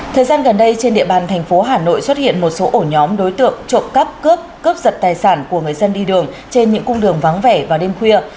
thời gian gần đây trên địa bàn thành phố hà nội xuất hiện một số ổ nhóm đối tượng trộm cắp cướp cướp giật tài sản của người dân đi đường trên những cung đường vắng vẻ vào đêm khuya